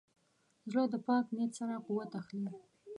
زړه د پاک نیت سره قوت اخلي.